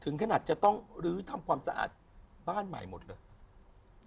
ขนาดจะต้องลื้อทำความสะอาดบ้านใหม่หมดเลย